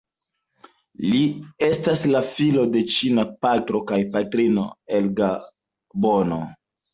Li estas la filo de ĉina patro kaj patrino el Gabono.